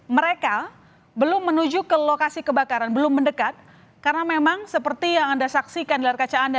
mereka belum menuju ke lokasi kebakaran belum mendekat karena memang seperti yang anda saksikan di layar kaca anda